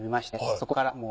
そこからもう。